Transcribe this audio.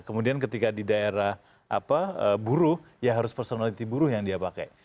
kemudian ketika di daerah buruh ya harus personality buruh yang dia pakai